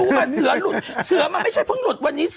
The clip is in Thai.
ยังไงยังไงยังไง